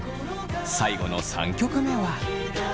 最後の３曲目は。